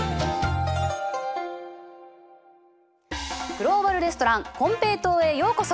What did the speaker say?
グローバル・レストランこんぺいとうへようこそ！